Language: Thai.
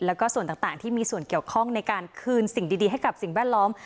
แล้วก็ส่วนต่างที่มีส่วนเกี่ยวข้องในการคืนสิ่งดีให้กับสิ่งแวดล้อม